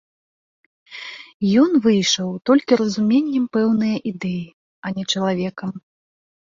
Ён выйшаў толькі разуменнем пэўнае ідэі, а не чалавекам.